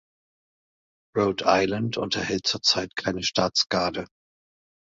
Rhode Island unterhält zur Zeit keine Staatsgarde.